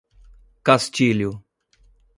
Castilho